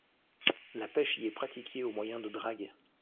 La pêche y est pratiquée au moyen de dragues.